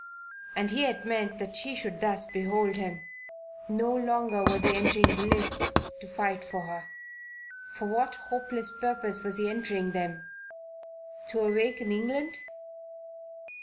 And he had meant that she should thus behold him. No longer was he entering lists to fight for her. For what hopeless purpose was he entering them? To awaken England?